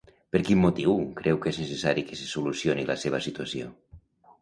Per quin motiu creu que és necessari que se solucioni la seva situació?